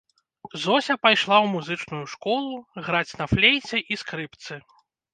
Зося пайшла ў музычную школу граць на флейце і скрыпцы.